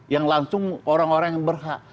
yang langsung orang orang yang berhak